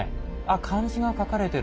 漢字が書かれてる。